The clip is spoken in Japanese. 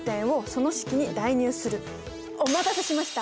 そしてお待たせしました！